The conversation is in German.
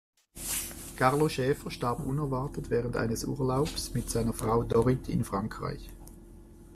Carlo Schäfer starb unerwartet während eines Urlaubs mit seiner Frau Dorit in Frankreich.